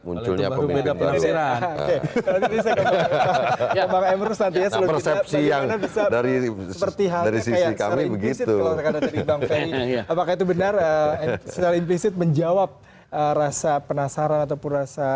munculnya pemimpin baru